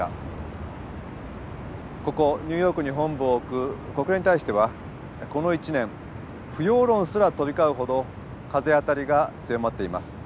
ここニューヨークに本部を置く国連に対してはこの１年不要論すら飛び交うほど風当たりが強まっています。